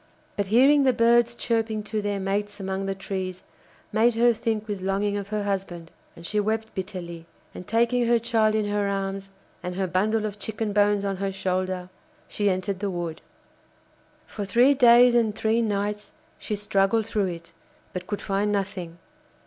But hearing the birds chirping to their mates among the trees made her think with longing of her husband, and she wept bitterly, and taking her child in her arms, and her bundle of chicken bones on her shoulder, she entered the wood. For three days and three nights she struggled through it, but could find nothing.